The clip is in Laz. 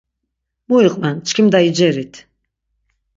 Mu iqven çkimda icerit.